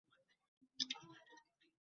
তোমাদের ছাড়াছাড়ি হয়েছে জানতাম ণা।